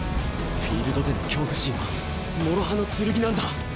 フィールドでの恐怖心は諸刃の剣なんだ。